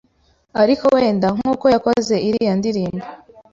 Ariko wenda nk’ uko yakoze iriya ndirimbo